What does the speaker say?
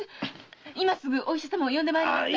今すぐお医者様を呼んで参りますから。